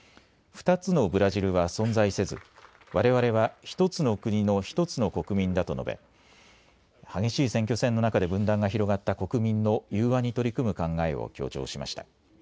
２つのブラジルは存在せずわれわれは１つの国の１つの国民だと述べ、激しい選挙戦の中で分断が広がった国民の融和に取り組む考えを強調しました。